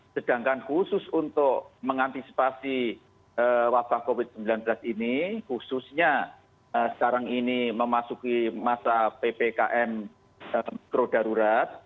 sedangkan khusus untuk mengantisipasi wabah covid sembilan belas ini khususnya sekarang ini memasuki masa ppkm mikro darurat